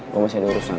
gue masih diurusan